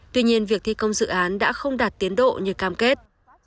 tuy nhiên việc thi công dự án đã không đạt tiến độ như cam kết